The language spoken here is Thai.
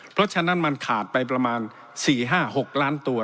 เพราะฉะนั้นมันขาดไปประมาณ๔๕๖ล้านตัว